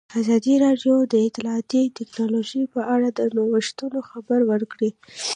ازادي راډیو د اطلاعاتی تکنالوژي په اړه د نوښتونو خبر ورکړی.